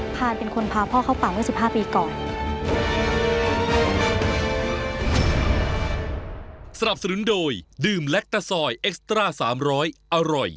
พานเป็นคนพาพ่อเข้าป่าเมื่อ๑๕ปีก่อน